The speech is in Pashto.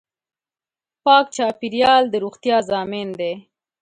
پاک چاپېریال د روغتیا ضامن دی.